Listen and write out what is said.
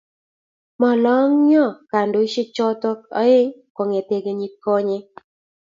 mangolonyoo kandoishek choo oeng kongete kenyii konye